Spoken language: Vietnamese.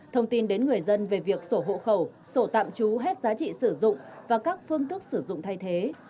thông tin đến người dân về việc sổ hộ khẩu sổ tạm trú hết giá trị sử dụng và các phương thức sử dụng thay thế